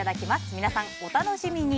皆さん、お楽しみに。